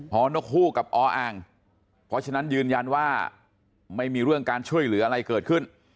พอนกฮูกกับออ่างเพราะฉะนั้นยืนยันว่าไม่มีเรื่องการช่วยเหลืออะไรเกิดขึ้น